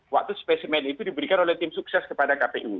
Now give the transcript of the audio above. waktu spesimen itu diberikan oleh tim sukses kepada kpu